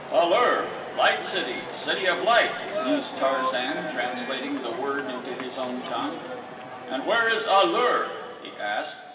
"'A lur,' Light city, City of Light," mused Tarzan, translating the word into his own tongue. "And where is A lur?" he asked.